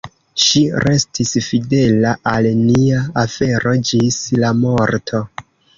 Ŝi restis fidela al nia afero ĝis la morto.